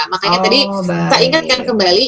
makanya tadi kita ingatkan kembali